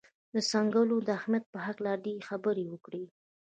د څنګلونو د اهمیت په هکله دې خبرې وکړي.